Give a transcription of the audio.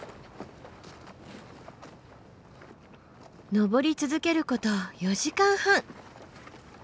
登り続けること４時間半。